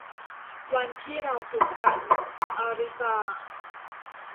วันที่เราพบกัน - อาริตา